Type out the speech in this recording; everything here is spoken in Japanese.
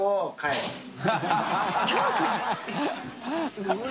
すごい。